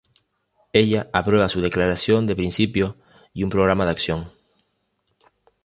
Ella aprueba su Declaración de Principios y un Programa de Acción.